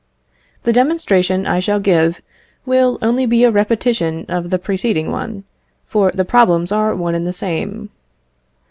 The demonstration I shall give will only be a repetition of the preceding one, for the problems are one and the same.